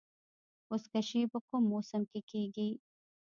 بزکشي په کوم موسم کې کیږي؟